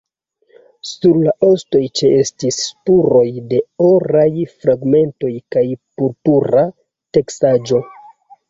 Sur la ostoj ĉeestis spuroj de oraj fragmentoj kaj purpura teksaĵo.